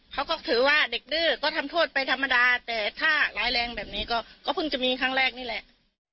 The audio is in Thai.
เขาก็ถือว่าเด็กดื้อก็ทำโทษไปธรรมดาแต่ถ้าร้ายแรงแบบนี้ก็เพิ่งจะมีครั้งแรกนี่แหละ